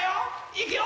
いくよ！